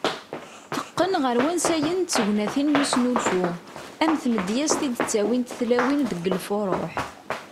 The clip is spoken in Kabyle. Teqqen ɣer wansayen d tegnatin n usnulfu ,am tmedyazt i d -ttawint tlawin deg lfuruh.